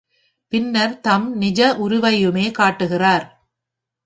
பின்னர் தம் நிஜ உருவையுமே காட்டுகிறார்.